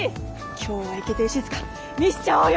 今日はイケてるしずか見せちゃおうよ。